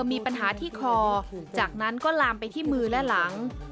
มีปัญหาที่คอจากนั้นก็ลามไปที่มือและหลัง